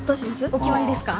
お決まりですか？